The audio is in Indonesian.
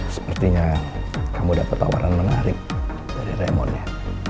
sepertinya kamu dapet tawaran menarik dari raymond ya